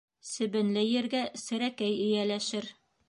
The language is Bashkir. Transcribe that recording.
Себенле ергә серәкәй эйәләшер.